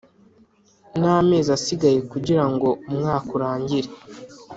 n amezi asigaye kugira ngo umwaka urangire